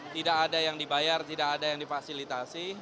tidak ada yang dibayar tidak ada yang difasilitasi